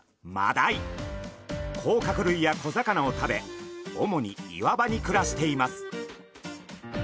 甲殻類や小魚を食べ主に岩場に暮らしています。